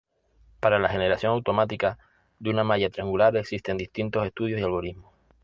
Para la generación automática de una malla triangular existen distintos estudios y algoritmos.